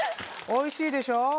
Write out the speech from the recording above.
美味しいでしょ？